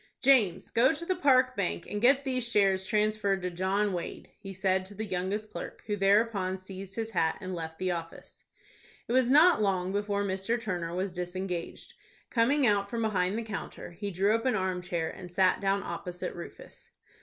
"James, go to the Park Bank, and get these shares transferred to John Wade," he said to the youngest clerk, who thereupon seized his hat and left the office. It was not long before Mr. Turner was disengaged. Coming out from behind the counter, he drew up an arm chair, and sat down opposite Rufus.